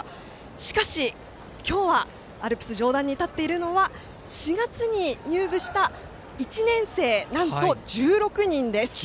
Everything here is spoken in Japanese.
しかし、今日はアルプス上段に立っているのは４月に入部した１年生なんと１６人です。